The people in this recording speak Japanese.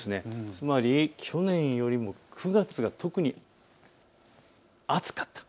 つまり去年よりも９月が特に暑かった。